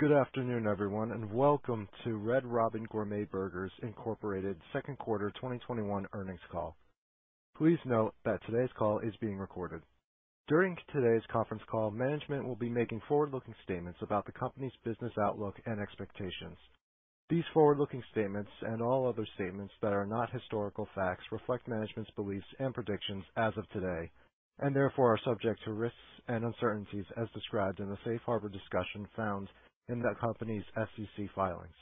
Good afternoon, everyone, welcome to Red Robin Gourmet Burgers, Incorporated. second quarter 2021 earnings call. Please note that today's call is being recorded. During today's conference call, management will be making forward-looking statements about the company's business outlook and expectations. These forward-looking statements, and all other statements that are not historical facts, reflect management's beliefs and predictions as of today, and therefore are subject to risks and uncertainties as described in the safe harbor discussion found in the company's SEC filings.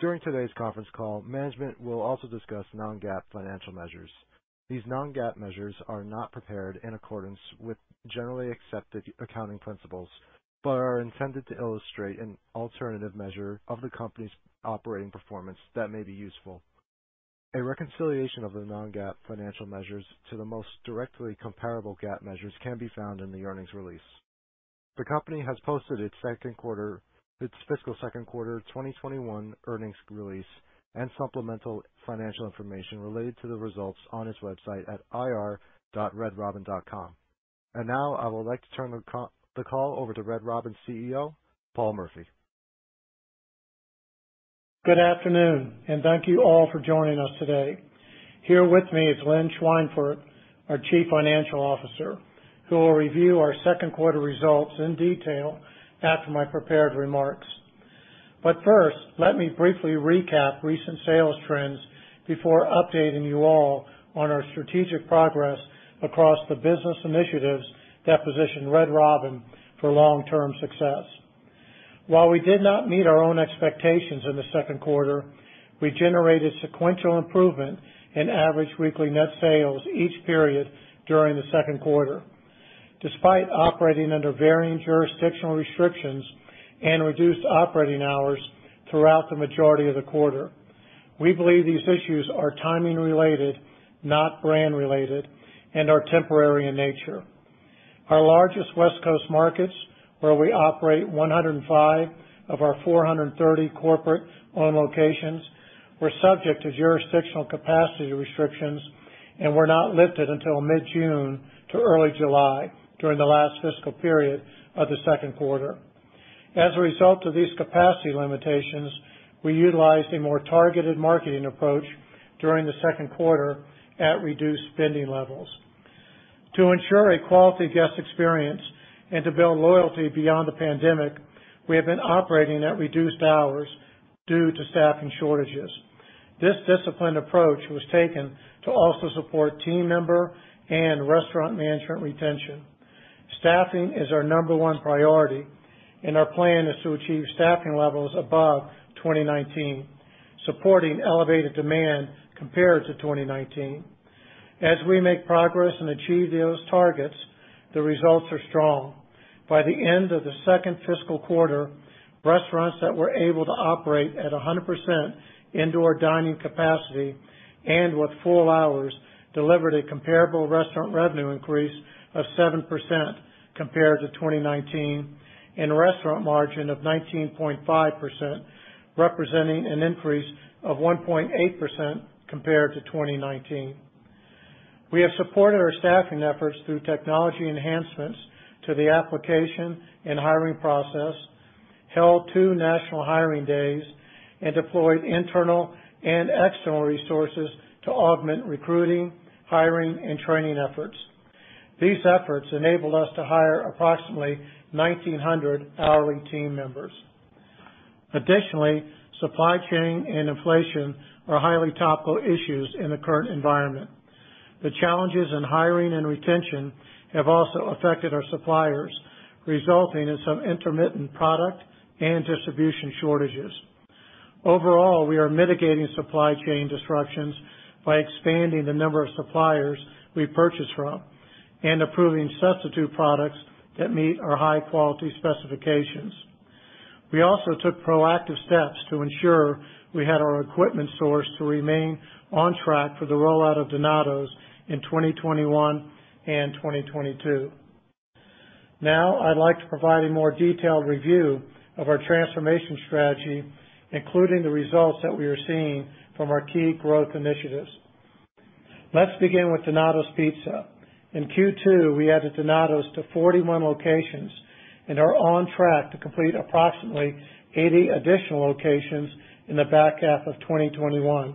During today's conference call, management will also discuss non-GAAP financial measures. These non-GAAP measures are not prepared in accordance with generally accepted accounting principles but are intended to illustrate an alternative measure of the company's operating performance that may be useful. A reconciliation of the non-GAAP financial measures to the most directly comparable GAAP measures can be found in the earnings release. The company has posted its fiscal second quarter 2021 earnings release and supplemental financial information related to the results on its website at ir.redrobin.com. Now, I would like to turn the call over to Red Robin's CEO, Paul Murphy. Good afternoon, thank you all for joining us today. Here with me is Lynn Schweinfurth, our Chief Financial Officer, who will review our second quarter results in detail after my prepared remarks. First, let me briefly recap recent sales trends before updating you all on our strategic progress across the business initiatives that position Red Robin for long-term success. While we did not meet our own expectations in the second quarter, we generated sequential improvement in average weekly net sales each period during the second quarter. Despite operating under varying jurisdictional restrictions and reduced operating hours throughout the majority of the quarter, we believe these issues are timing related, not brand related, and are temporary in nature. Our largest West Coast markets, where we operate 105 of our 430 corporate owned locations, were subject to jurisdictional capacity restrictions and were not lifted until mid-June to early July during the last fiscal period of the second quarter. As a result of these capacity limitations, we utilized a more targeted marketing approach during the second quarter at reduced spending levels. To ensure a quality guest experience and to build loyalty beyond the pandemic, we have been operating at reduced hours due to staffing shortages. This disciplined approach was taken to also support team member and restaurant management retention. Staffing is our number one priority, and our plan is to achieve staffing levels above 2019, supporting elevated demand compared to 2019. As we make progress and achieve those targets, the results are strong. By the end of the second fiscal quarter, restaurants that were able to operate at 100% indoor dining capacity and with full hours delivered a comparable restaurant revenue increase of 7% compared to 2019 and a restaurant margin of 19.5%, representing an increase of 1.8% compared to 2019. We have supported our staffing efforts through technology enhancements to the application and hiring process, held two national hiring days, and deployed internal and external resources to augment recruiting, hiring, and training efforts. These efforts enabled us to hire approximately 1,900 hourly team members. Additionally, supply chain and inflation are highly topical issues in the current environment. The challenges in hiring and retention have also affected our suppliers, resulting in some intermittent product and distribution shortages. Overall, we are mitigating supply chain disruptions by expanding the number of suppliers we purchase from and approving substitute products that meet our high-quality specifications. We also took proactive steps to ensure we had our equipment sourced to remain on track for the rollout of Donatos in 2021 and 2022. I'd like to provide a more detailed review of our transformation strategy, including the results that we are seeing from our key growth initiatives. Let's begin with Donatos Pizza. In Q2, we added Donatos to 41 locations and are on track to complete approximately 80 additional locations in the back half of 2021,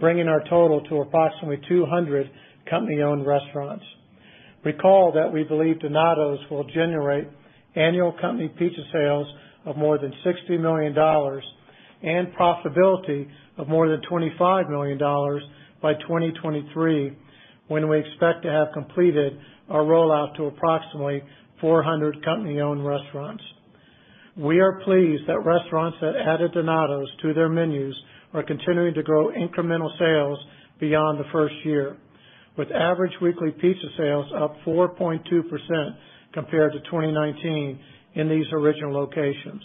bringing our total to approximately 200 company-owned restaurants. Recall that we believe Donatos will generate annual company pizza sales of more than $60 million and profitability of more than $25 million by 2023, when we expect to have completed our rollout to approximately 400 company-owned restaurants. We are pleased that restaurants that added Donatos to their menus are continuing to grow incremental sales beyond the first year, with average weekly pizza sales up 4.2% compared to 2019 in these original locations.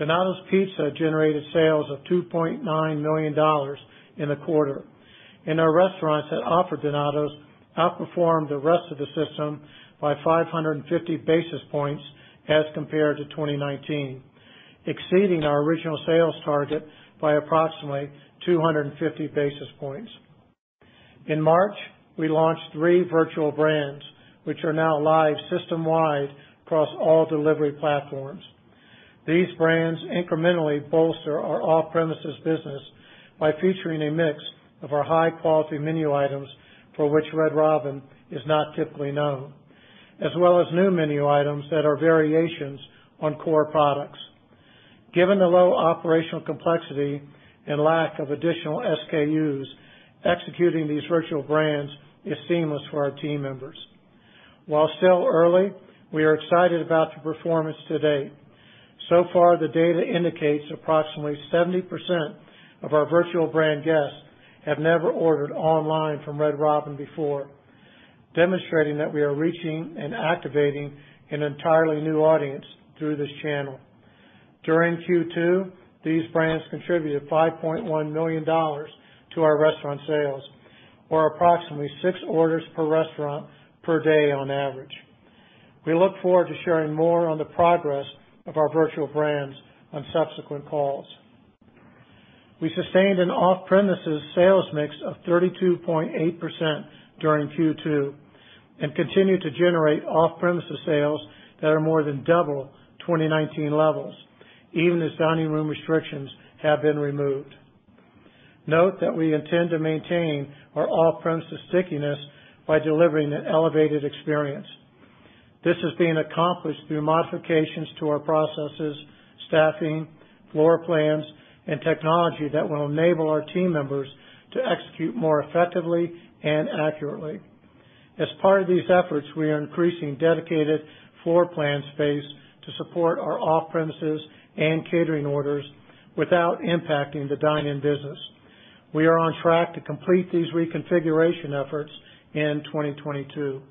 Donatos Pizza generated sales of $2.9 million in the quarter, and our restaurants that offer Donatos outperformed the rest of the system by 550 basis points as compared to 2019, exceeding our original sales target by approximately 250 basis points. In March, we launched three virtual brands which are now live system-wide across all delivery platforms. These brands incrementally bolster our off-premises business by featuring a mix of our high-quality menu items for which Red Robin is not typically known, as well as new menu items that are variations on core products. Given the low operational complexity and lack of additional SKUs, executing these virtual brands is seamless for our team members. While still early, we are excited about the performance to date. So far, the data indicates approximately 70% of our virtual brand guests have never ordered online from Red Robin before, demonstrating that we are reaching and activating an entirely new audience through this channel. During Q2, these brands contributed $5.1 million to our restaurant sales, or approximately six orders per restaurant per day on average. We look forward to sharing more on the progress of our virtual brands on subsequent calls. We sustained an off-premises sales mix of 32.8% during Q2 and continue to generate off-premises sales that are more than double 2019 levels, even as dining room restrictions have been removed. Note that we intend to maintain our off-premises stickiness by delivering an elevated experience. This is being accomplished through modifications to our processes, staffing, floor plans, and technology that will enable our team members to execute more effectively and accurately. As part of these efforts, we are increasing dedicated floor plan space to support our off-premises and catering orders without impacting the dine-in business. We are on track to complete these reconfiguration efforts in 2022.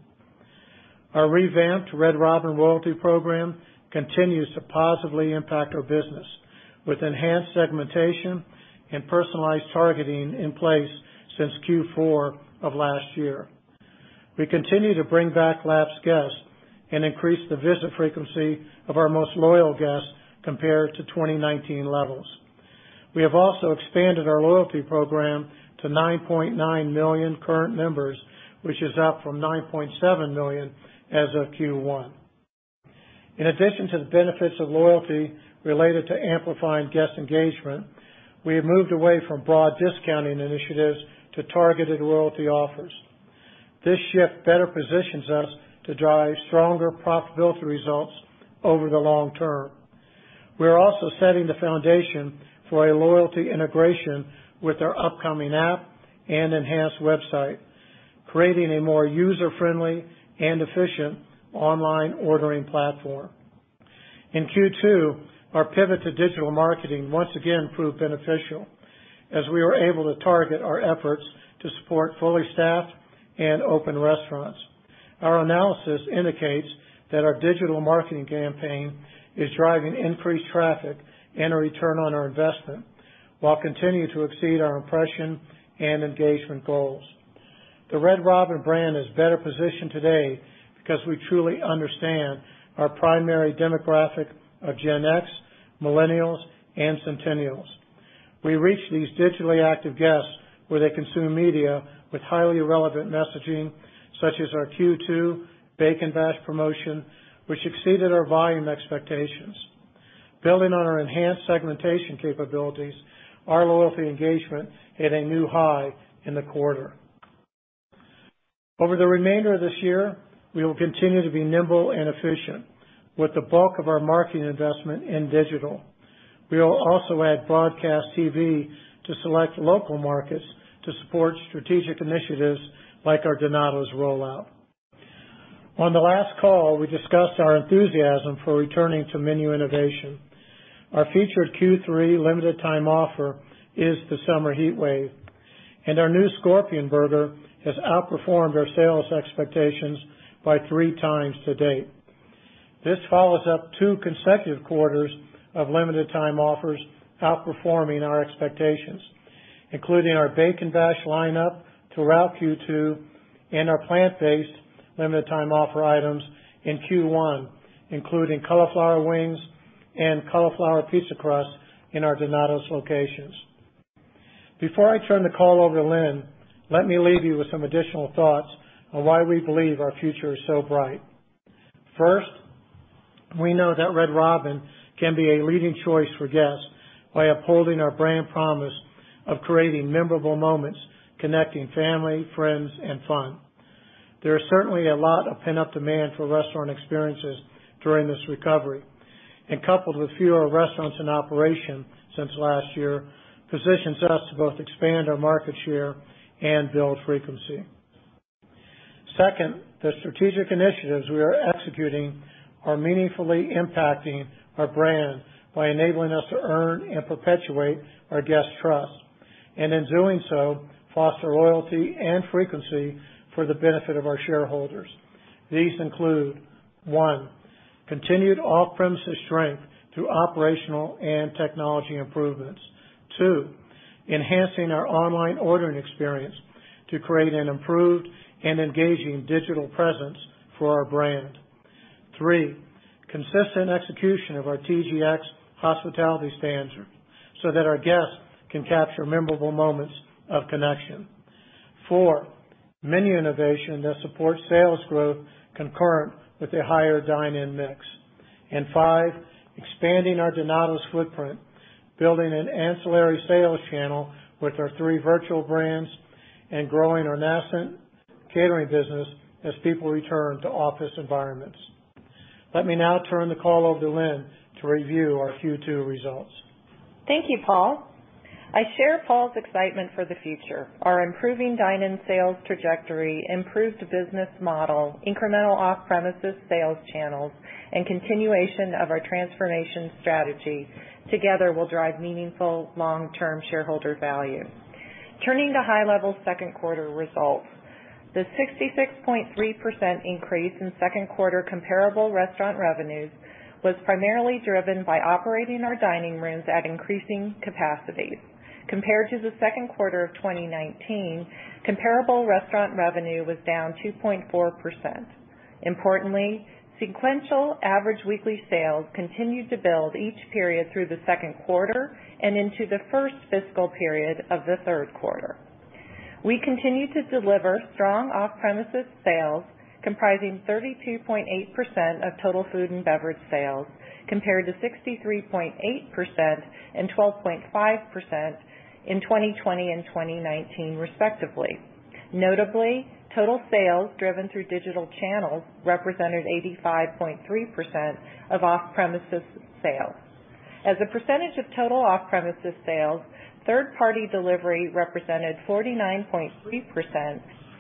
Our revamped Red Robin loyalty program continues to positively impact our business, with enhanced segmentation and personalized targeting in place since Q4 of last year. We continue to bring back lapsed guests and increase the visit frequency of our most loyal guests compared to 2019 levels. We have also expanded our loyalty program to 9.9 million current members, which is up from 9.7 million as of Q1. In addition to the benefits of loyalty related to amplifying guest engagement, we have moved away from broad discounting initiatives to targeted loyalty offers. This shift better positions us to drive stronger profitability results over the long term. We are also setting the foundation for a loyalty integration with our upcoming app and enhanced website, creating a more user-friendly and efficient online ordering platform. In Q2, our pivot to digital marketing once again proved beneficial, as we were able to target our efforts to support fully staffed and open restaurants. Our analysis indicates that our digital marketing campaign is driving increased traffic and a return on our investment while continuing to exceed our impression and engagement goals. The Red Robin brand is better positioned today because we truly understand our primary demographic of Gen X, Millennials, and Centennials. We reach these digitally active guests where they consume media with highly relevant messaging, such as our Q2 Bacon Bash promotion, which exceeded our volume expectations. Building on our enhanced segmentation capabilities, our loyalty engagement hit a new high in the quarter. Over the remainder of this year, we will continue to be nimble and efficient with the bulk of our marketing investment in digital. We will also add broadcast TV to select local markets to support strategic initiatives like our Donatos rollout. On the last call, we discussed our enthusiasm for returning to menu innovation. Our featured Q3 limited-time offer is the Summer Heatwave, and our new Scorpion Burger has outperformed our sales expectations by 3x to date. This follows up two consecutive quarters of limited-time offers outperforming our expectations, including our Bacon Bash lineup throughout Q2 and our plant-based limited-time offer items in Q1, including cauliflower wings and cauliflower pizza crust in our Donatos locations. Before I turn the call over to Lynn, let me leave you with some additional thoughts on why we believe our future is so bright. First, we know that Red Robin can be a leading choice for guests by upholding our brand promise of creating memorable moments, connecting family, friends, and fun. There is certainly a lot of pent-up demand for restaurant experiences during this recovery, and coupled with fewer restaurants in operation since last year, positions us to both expand our market share and build frequency. Second, the strategic initiatives we are executing are meaningfully impacting our brand by enabling us to earn and perpetuate our guests' trust, and in doing so, foster loyalty and frequency for the benefit of our shareholders. These include, one, continued off-premises strength through operational and technology improvements. Two, enhancing our online ordering experience to create an improved and engaging digital presence for our brand. Three, consistent execution of our TGX hospitality standard so that our guests can capture memorable moments of connection. Four, menu innovation that supports sales growth concurrent with a higher dine-in mix. Five, expanding our Donatos footprint, building an ancillary sales channel with our three virtual brands and growing our nascent catering business as people return to office environments. Let me now turn the call over to Lynn to review our Q2 results. Thank you, Paul. I share Paul's excitement for the future. Our improving dine-in sales trajectory, improved business model, incremental off-premises sales channels, and continuation of our transformation strategy together will drive meaningful long-term shareholder value. Turning to high-level second quarter results. The 66.3% increase in second quarter comparable restaurant revenues was primarily driven by operating our dining rooms at increasing capacities. Compared to the second quarter of 2019, comparable restaurant revenue was down 2.4%. Importantly, sequential average weekly sales continued to build each period through the second quarter and into the first fiscal period of the third quarter. We continued to deliver strong off-premises sales comprising 32.8% of total food and beverage sales, compared to 63.8% and 12.5% in 2020 and 2019 respectively. Notably, total sales driven through digital channels represented 85.3% of off-premises sales. As a percentage of total off-premises sales, third-party delivery represented 49.3%,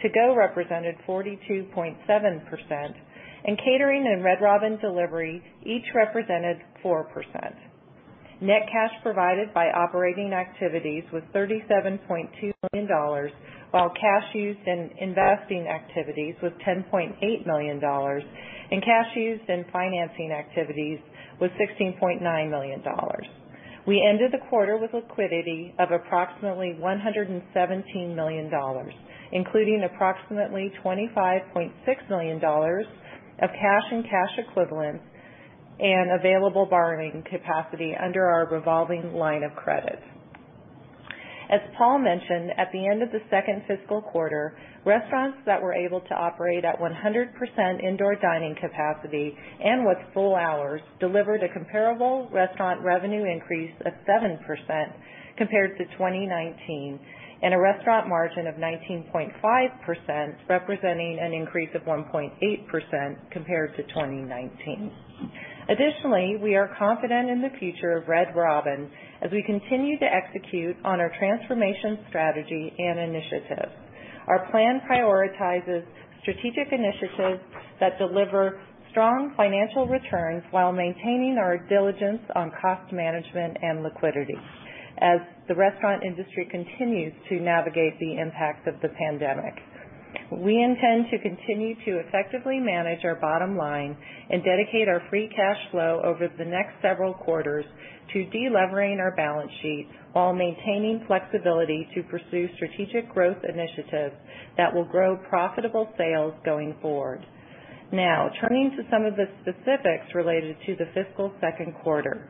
to-go represented 42.7%, and catering and Red Robin delivery each represented 4%. Net cash provided by operating activities was $37.2 million, while cash used in investing activities was $10.8 million and cash used in financing activities was $16.9 million. We ended the quarter with liquidity of approximately $117 million, including approximately $25.6 million of cash and cash equivalents and available borrowing capacity under our revolving line of credit. As Paul mentioned, at the end of the second fiscal quarter, restaurants that were able to operate at 100% indoor dining capacity and with full hours delivered a comparable restaurant revenue increase of 7% compared to 2019, and a restaurant margin of 19.5%, representing an increase of 1.8% compared to 2019. Additionally, we are confident in the future of Red Robin as we continue to execute on our transformation strategy and initiatives. Our plan prioritizes strategic initiatives that deliver strong financial returns while maintaining our diligence on cost management and liquidity as the restaurant industry continues to navigate the impact of the pandemic. We intend to continue to effectively manage our bottom line and dedicate our free cash flow over the next several quarters to de-levering our balance sheet while maintaining flexibility to pursue strategic growth initiatives that will grow profitable sales going forward. Now, turning to some of the specifics related to the fiscal second quarter.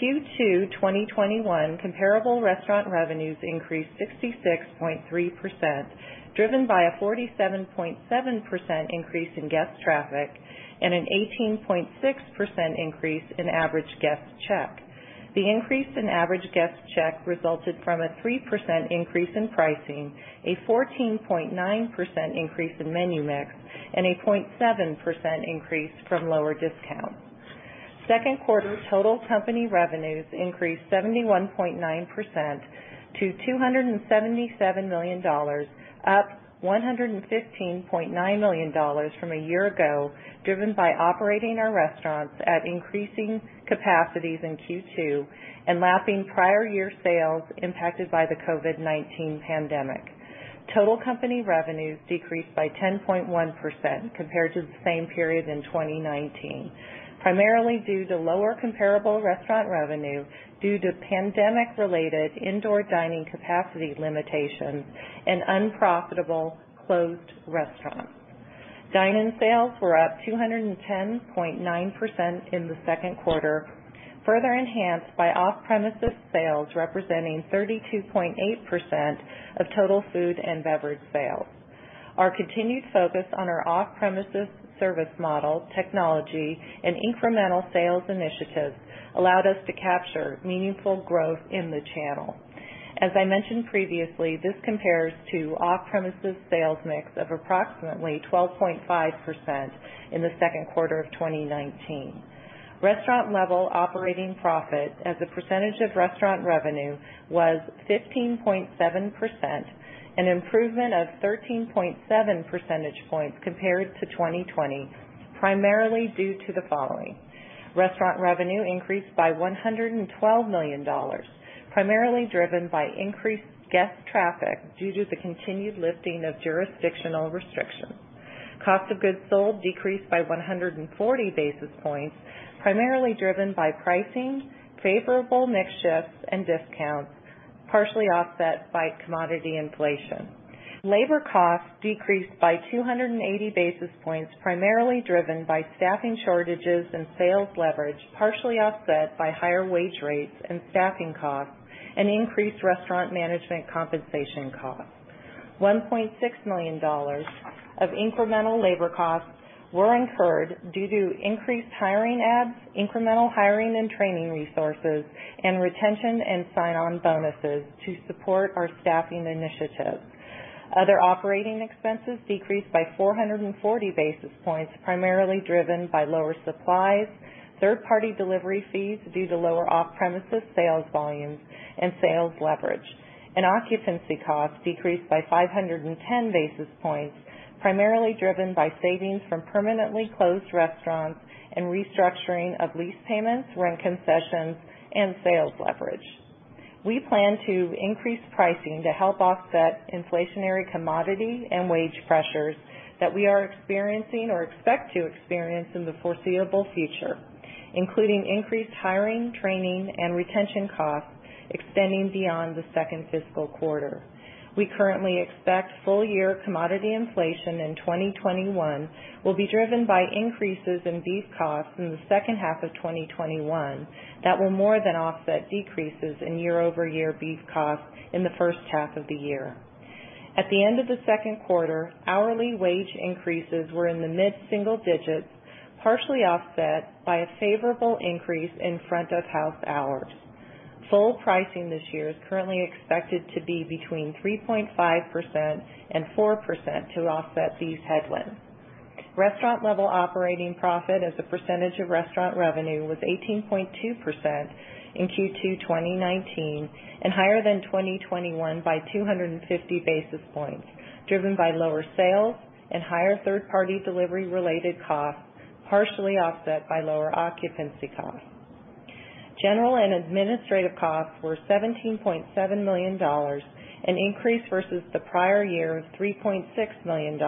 Q2 2021 comparable restaurant revenues increased 66.3%, driven by a 47.7% increase in guest traffic and an 18.6% increase in average guest check. The increase in average guest check resulted from a 3% increase in pricing, a 14.9% increase in menu mix, and a 0.7% increase from lower discounts. Second quarter total company revenues increased 71.9% to $277 million, up $115.9 million from a year ago, driven by operating our restaurants at increasing capacities in Q2 and lapping prior year sales impacted by the COVID-19 pandemic. Total company revenues decreased by 10.1% compared to the same period in 2019, primarily due to lower comparable restaurant revenue due to pandemic-related indoor dining capacity limitations and unprofitable closed restaurants. Dine-in sales were up 210.9% in the second quarter, further enhanced by off-premises sales representing 32.8% of total food and beverage sales. Our continued focus on our off-premises service model, technology, and incremental sales initiatives allowed us to capture meaningful growth in the channel. As I mentioned previously, this compares to off-premises sales mix of approximately 12.5% in the second quarter of 2019. Restaurant-level operating profit as a percentage of restaurant revenue was 15.7%, an improvement of 13.7 percentage points compared to 2020, primarily due to the following. Restaurant revenue increased by $112 million, primarily driven by increased guest traffic due to the continued lifting of jurisdictional restrictions. Cost of goods sold decreased by 140 basis points, primarily driven by pricing, favorable mix shifts, and discounts, partially offset by commodity inflation. Labor costs decreased by 280 basis points, primarily driven by staffing shortages and sales leverage, partially offset by higher wage rates and staffing costs and increased restaurant management compensation costs. $1.6 million of incremental labor costs were incurred due to increased hiring ads, incremental hiring and training resources, and retention and sign-on bonuses to support our staffing initiatives. Other operating expenses decreased by 440 basis points, primarily driven by lower supplies, third-party delivery fees due to lower off-premises sales volumes and sales leverage. Occupancy costs decreased by 510 basis points, primarily driven by savings from permanently closed restaurants and restructuring of lease payments, rent concessions, and sales leverage. We plan to increase pricing to help offset inflationary commodity and wage pressures that we are experiencing or expect to experience in the foreseeable future, including increased hiring, training, and retention costs extending beyond the second fiscal quarter. We currently expect full-year commodity inflation in 2021 will be driven by increases in beef costs in the second half of 2021 that will more than offset decreases in year-over-year beef costs in the first half of the year. At the end of the second quarter, hourly wage increases were in the mid-single digits, partially offset by a favorable increase in front-of-house hours. Full pricing this year is currently expected to be between 3.5% and 4% to offset these headwinds. Restaurant-level operating profit as a percentage of restaurant revenue was 18.2% in Q2 2019 and higher than 2021 by 250 basis points, driven by lower sales and higher third-party delivery-related costs, partially offset by lower occupancy costs. General and administrative costs were $17.7 million, an increase versus the prior year of $3.6 million,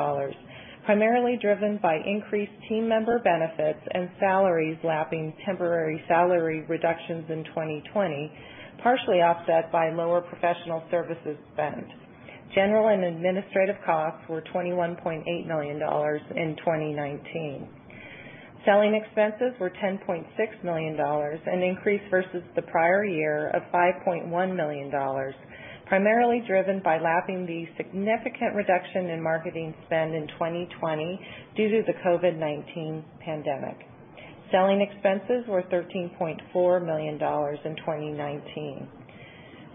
primarily driven by increased team member benefits and salaries lapping temporary salary reductions in 2020, partially offset by lower professional services spend. General and administrative costs were $21.8 million in 2019. Selling expenses were $10.6 million, an increase versus the prior year of $5.1 million, primarily driven by lapping the significant reduction in marketing spend in 2020 due to the COVID-19 pandemic. Selling expenses were $13.4 million in 2019.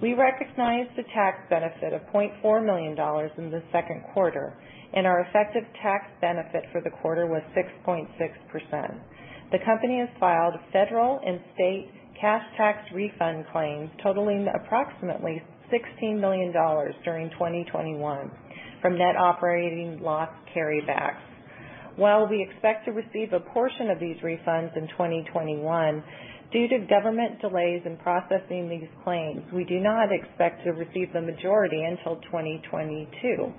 We recognized a tax benefit of $0.4 million in the second quarter, and our effective tax benefit for the quarter was 6.6%. The company has filed federal and state cash tax refund claims totaling approximately $16 million during 2021 from net operating loss carrybacks. While we expect to receive a portion of these refunds in 2021, due to government delays in processing these claims, we do not expect to receive the majority until 2022.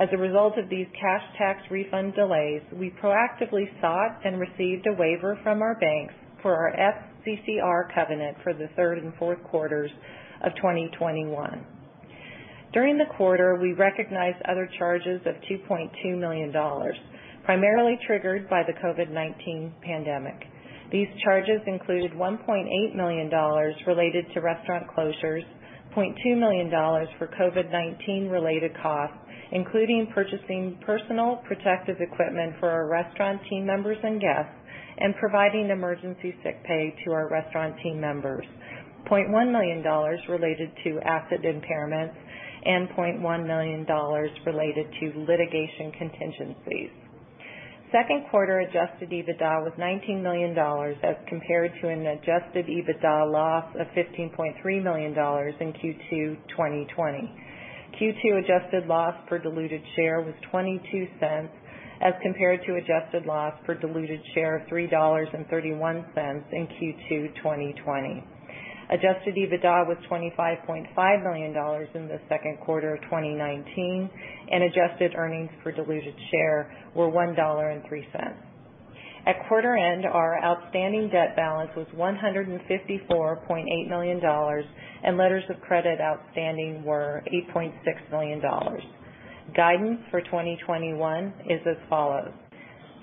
As a result of these cash tax refund delays, we proactively sought and received a waiver from our banks for our FCCR covenant for the third and fourth quarters of 2021. During the quarter, we recognized other charges of $2.2 million, primarily triggered by the COVID-19 pandemic. These charges included $1.8 million related to restaurant closures, $0.2 million for COVID-19-related costs, including purchasing personal protective equipment for our restaurant team members and guests and providing emergency sick pay to our restaurant team members, $0.1 million related to asset impairments and $0.1 million related to litigation contingencies. Second quarter adjusted EBITDA was $19 million as compared to an adjusted EBITDA loss of $15.3 million in Q2 2020. Q2 adjusted loss per diluted share was $0.22 as compared to adjusted loss per diluted share of $3.31 in Q2 2020. Adjusted EBITDA was $25.5 million in the second quarter of 2019, and adjusted earnings per diluted share were $1.03. At quarter end, our outstanding debt balance was $154.8 million, and letters of credit outstanding were $8.6 million. Guidance for 2021 is as follows.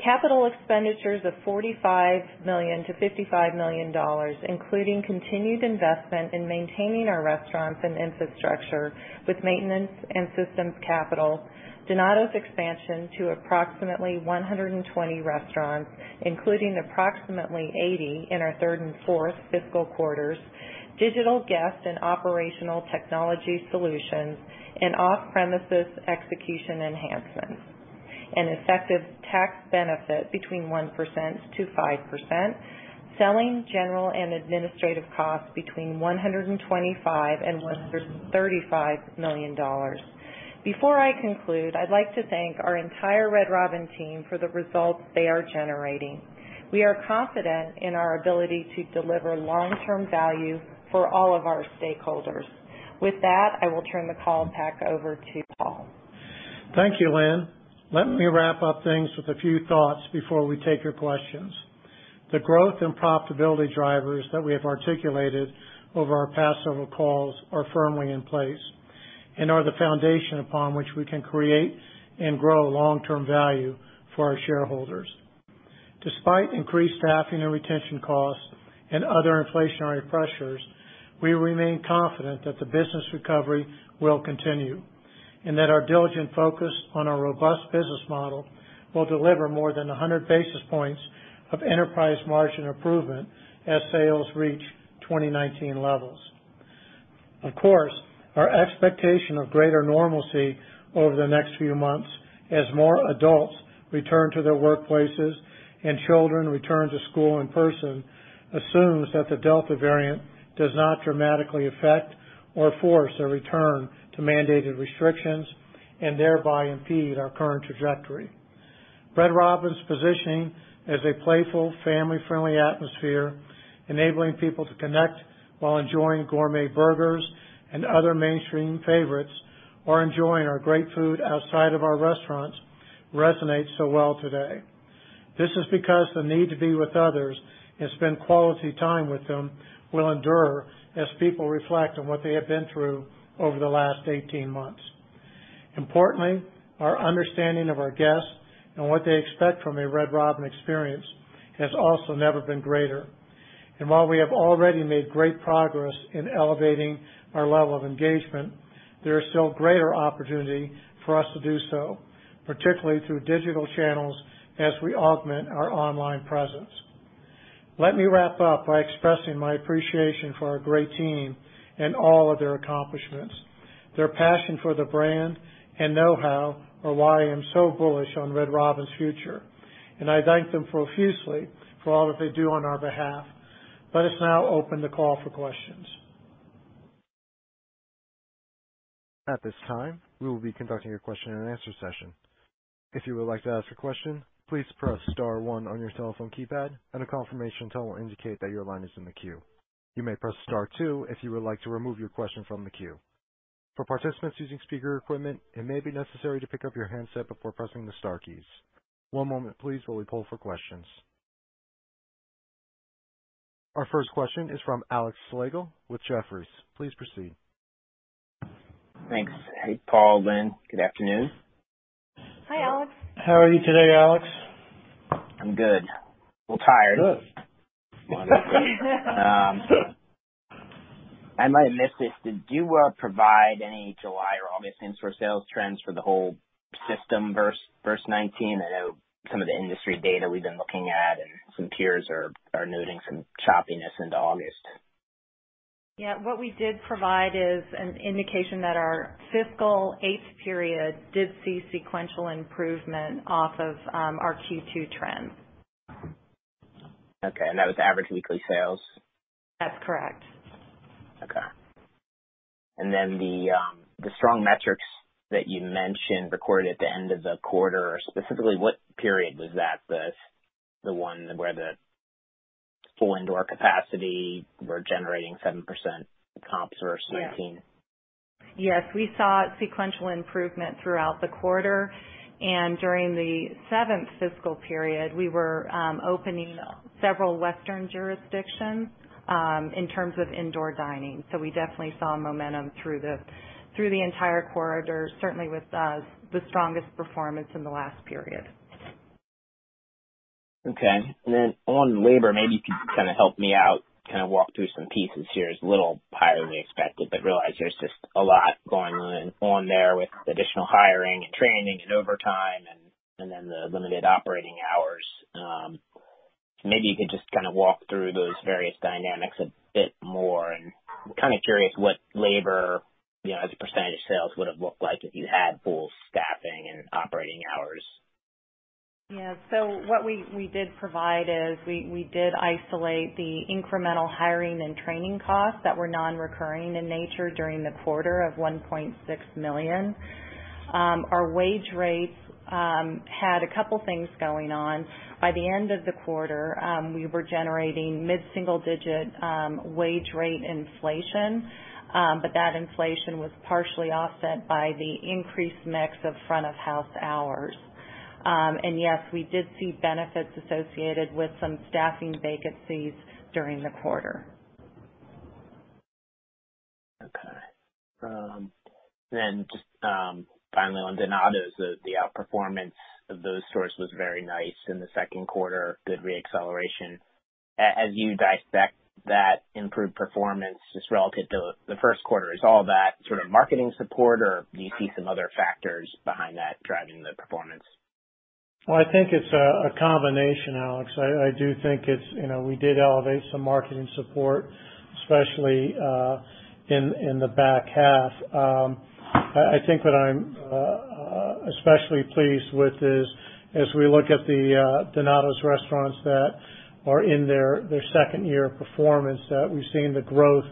Capital expenditures of $45 million-$55 million, including continued investment in maintaining our restaurants and infrastructure with maintenance and systems capital, Donatos expansion to approximately 120 restaurants, including approximately 80 in our third and fourth fiscal quarters, digital guest and operational technology solutions, and off-premises execution enhancements. An effective tax benefit between 1%-5%, selling, general, and administrative costs between $125 million and $135 million. Before I conclude, I'd like to thank our entire Red Robin team for the results they are generating. We are confident in our ability to deliver long-term value for all of our stakeholders. With that, I will turn the call back over to Paul. Thank you, Lynn. Let me wrap up things with a few thoughts before we take your questions. The growth and profitability drivers that we have articulated over our past several calls are firmly in place and are the foundation upon which we can create and grow long-term value for our shareholders. Despite increased staffing and retention costs and other inflationary pressures, we remain confident that the business recovery will continue, and that our diligent focus on our robust business model will deliver more than 100 basis points of enterprise margin improvement as sales reach 2019 levels. Of course, our expectation of greater normalcy over the next few months as more adults return to their workplaces and children return to school in person, assumes that the Delta variant does not dramatically affect or force a return to mandated restrictions and thereby impede our current trajectory. Red Robin's positioning as a playful, family-friendly atmosphere, enabling people to connect while enjoying gourmet burgers and other mainstream favorites, or enjoying our great food outside of our restaurants, resonates so well today. This is because the need to be with others and spend quality time with them will endure as people reflect on what they have been through over the last 18 months. Importantly, our understanding of our guests and what they expect from a Red Robin experience has also never been greater. While we have already made great progress in elevating our level of engagement, there is still greater opportunity for us to do so, particularly through digital channels as we augment our online presence. Let me wrap up by expressing my appreciation for our great team and all of their accomplishments. Their passion for the brand and know-how are why I am so bullish on Red Robin's future, and I thank them profusely for all that they do on our behalf. Let us now open the call for questions. At this time we will conduct a question and answer session. If you like to ask a question, please press star one on your telephone keypad and a confirmation to indicate that your line is in the queue. You may press star two if you would like to remove your question from the queue. For participants using speaker equipment, it may be necessary to pick up your handset before pressing the star keys. One moment, please, will we poll for questions. Our first question is from Alex Slagle with Jefferies. Please proceed. Thanks. Hey, Paul, Lynn. Good afternoon. Hi, Alex. How are you today, Alex? I'm good. Little tired. Good. I might have missed this. Did you provide any July or August same-store sales trends for the whole system versus 2019? I know some of the industry data we've been looking at, and some peers are noting some choppiness into August. Yeah. What we did provide is an indication that our fiscal eighth period did see sequential improvement off of our Q2 trends. Okay. That was average weekly sales? That's correct. Okay. The strong metrics that you mentioned recorded at the end of the quarter, specifically, what period was that? The one where the full indoor capacity were generating 7% comps versus 2019? Yes. We saw sequential improvement throughout the quarter. During the seventh fiscal period, we were opening several Western jurisdictions in terms of indoor dining. We definitely saw momentum through the entire corridor, certainly with the strongest performance in the last period. Okay. Then on labor, maybe you could kind of help me out, kind of walk through some pieces here. It's a little higher than we expected, but realize there's just a lot going on there with additional hiring and training and overtime and then the limited operating hours. Maybe you could just kind of walk through those various dynamics a bit more and kind of curious what labor, as a percentage of sales, would have looked like if you had full staffing and operating hours. Yeah. What we did provide is we did isolate the incremental hiring and training costs that were non-recurring in nature during the quarter of $1.6 million. Our wage rates had a couple things going on. By the end of the quarter, we were generating mid-single digit wage rate inflation. That inflation was partially offset by the increased mix of front-of-house hours. Yes, we did see benefits associated with some staffing vacancies during the quarter. Okay. Just finally on Donatos, the outperformance of those stores was very nice in the second quarter, good re-acceleration. As you dissect that improved performance just relative to the first quarter, is all that sort of marketing support, or do you see some other factors behind that driving the performance? I think it's a combination, Alex. I do think we did elevate some marketing support, especially in the back half. I think what I'm especially pleased with is as we look at the Donatos restaurants that are in their second year of performance, that we've seen the growth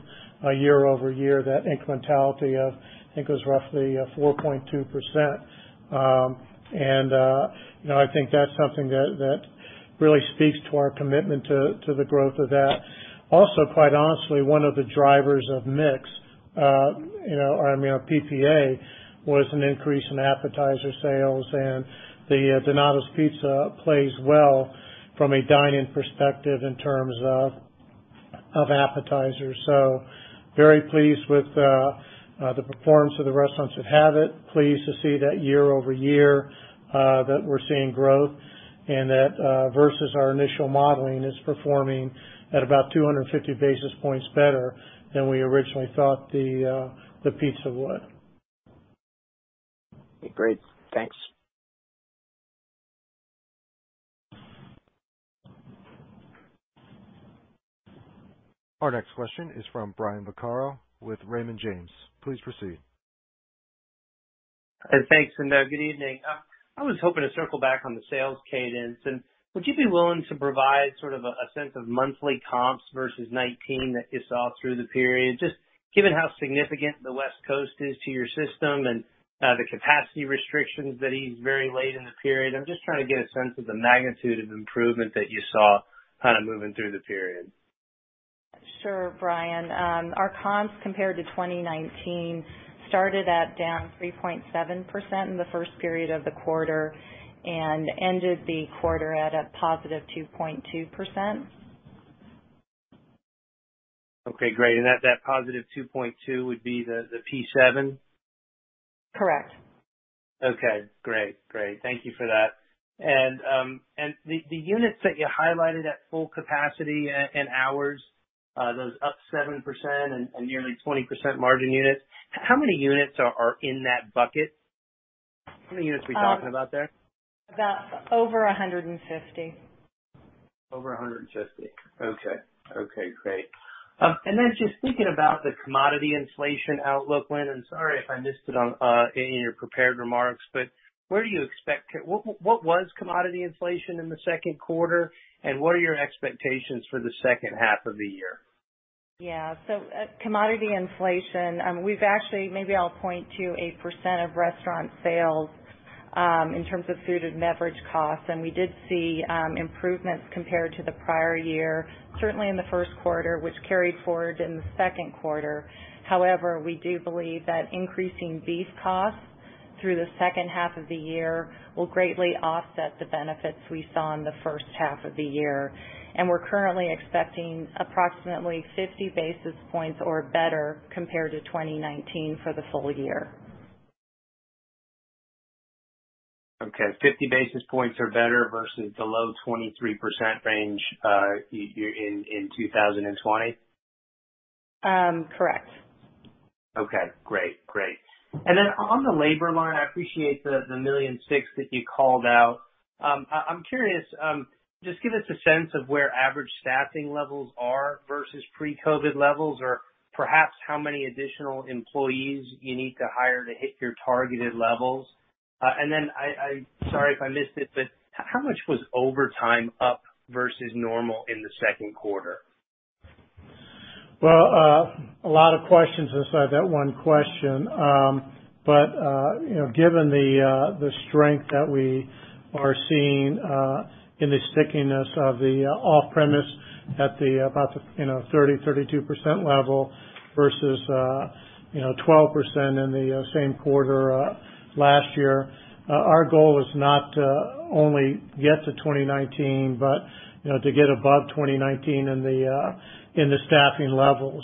year-over-year, that incrementality of, I think it was roughly 4.2%. I think that's something that really speaks to our commitment to the growth of that. Also, quite honestly, one of the drivers of mix, our PPA, was an increase in appetizer sales, and the Donatos Pizza plays well from a dine-in perspective in terms of appetizers. Very pleased with the performance of the restaurants that have it, pleased to see that year-over-year that we're seeing growth, and that versus our initial modeling is performing at about 250 basis points better than we originally thought the pizza would. Great. Thanks. Our next question is from Brian Vaccaro with Raymond James. Please proceed. Thanks, and good evening. Would you be willing to provide sort of a sense of monthly comps versus 2019 that you saw through the period? Just given how significant the West Coast is to your system and the capacity restrictions that eased very late in the period, I'm just trying to get a sense of the magnitude of improvement that you saw kind of moving through the period. Sure, Brian. Our comps compared to 2019 started at down 3.7% in the first period of the quarter and ended the quarter at a +2.2%. Okay, great. That +2.2% would be the P7? Correct. Okay, great. Thank you for that. The units that you highlighted at full capacity and hours, those up 7% and nearly 20% margin units, how many units are in that bucket? How many units are we talking about there? About over 150. Over 150. Okay, great. Just thinking about the commodity inflation outlook Lynn, and sorry if I missed it in your prepared remarks, what was commodity inflation in the second quarter, and what are your expectations for the second half of the year? Yeah. Commodity inflation, maybe I'll point to 8% of restaurant sales, in terms of food and beverage costs, and we did see improvements compared to the prior year, certainly in the first quarter, which carried forward in the second quarter. However, we do believe that increasing beef costs through the second half of the year will greatly offset the benefits we saw in the first half of the year. We're currently expecting approximately 50 basis points or better compared to 2019 for the full year. Okay. 50 basis points or better versus the low 23% range, in 2020? Correct. Okay, great. On the labor line, I appreciate the $1.6 million that you called out. I'm curious, just give us a sense of where average staffing levels are versus pre-COVID levels or perhaps how many additional employees you need to hire to hit your targeted levels. Sorry if I missed it, how much was overtime up versus normal in the second quarter? Well, a lot of questions inside that one question. Given the strength that we are seeing, in the stickiness of the off-premise at about the 30%-32% level versus 12% in the same quarter last year. Our goal is not to only get to 2019, but to get above 2019 in the staffing levels.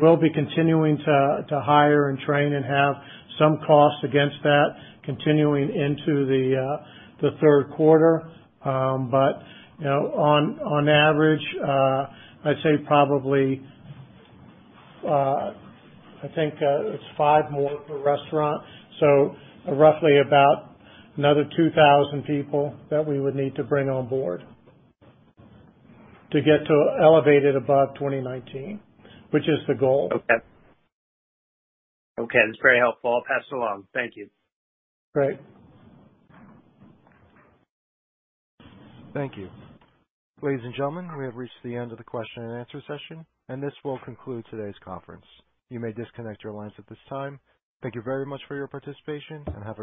We'll be continuing to hire and train and have some costs against that continuing into the third quarter. On average, I'd say probably, I think, it's five more per restaurant, so roughly about another 2,000 people that we would need to bring on board to get to elevated above 2019, which is the goal. Okay. That's very helpful. I'll pass it along. Thank you. Great. Thank you. Ladies and gentlemen, we have reached the end of the question and answer session, and this will conclude today's conference. You may disconnect your lines at this time. Thank you very much for your participation, and have a great day.